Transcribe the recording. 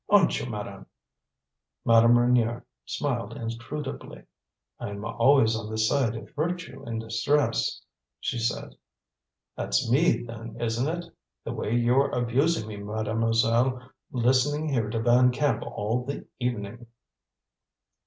Aren't you, Madame?" Madame Reynier smiled inscrutably. "I'm always on the side of virtue in distress," she said. "That's me, then, isn't it? The way you're abusing me, Mademoiselle, listening here to Van Camp all the evening!"